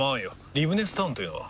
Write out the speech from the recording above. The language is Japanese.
リブネスタウンというのは？